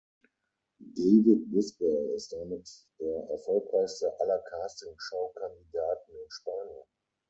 David Bisbal ist damit der erfolgreichste aller Casting-Show-Kandidaten in Spanien.